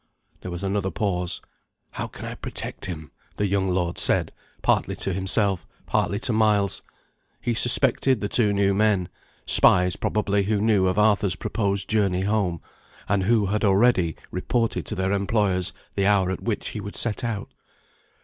There was another pause. "How can I protect him?" the young lord said, partly to himself, partly to Miles. He suspected the two new men spies probably who knew of Arthur's proposed journey home, and who had already reported to their employers the hour at which he would set out.